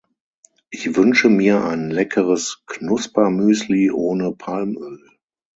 Ich wünsche mir ein leckeres Knuspermüsli ohne Palmöl.